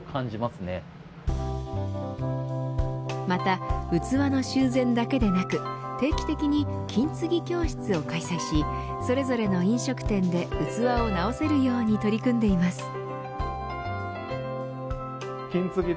また、器の修繕だけでなく定期的に金継ぎ教室を開催しそれぞれの飲食店で器を直せるように取り組んでいます。